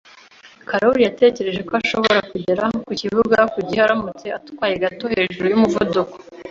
Karoli yatekereje ko ashobora kugera ku kibuga ku gihe aramutse atwaye gato hejuru y’umuvuduko.